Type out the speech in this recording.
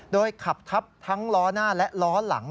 โดยขับทับทั้งล้อหน้าและล้อหลัง